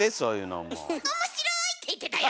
「おもしろい！」。って言ってたよ。